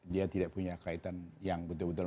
dia tidak punya kaitan yang betul betul